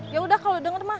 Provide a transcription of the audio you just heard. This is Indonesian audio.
yaudah kalau denger mah